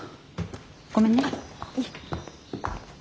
ごめんね。